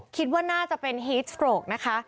คิดว่าน่าจะเป็นฮีสโตรกนะคะ